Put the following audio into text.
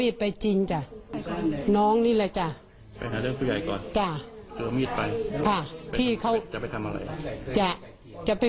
ที่เขาเรียกตัวไป